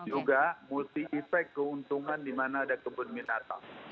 juga multi effect keuntungan di mana ada kebun binatang